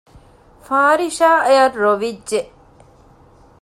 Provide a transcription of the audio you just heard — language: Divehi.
ފާރިޝާއަށް ރޮވިއްޖެ